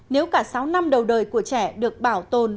nếu cả sáu năm đầu đời của trẻ được bảo tồn